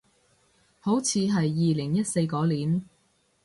好似係二零一四嗰年